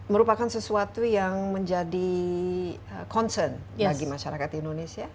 merupakan sesuatu yang menjadi concern bagi masyarakat indonesia